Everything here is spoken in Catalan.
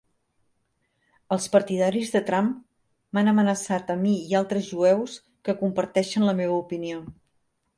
Els partidaris de Trump m'han amenaçat a mi i a altres jueus que comparteixen la meva opinió.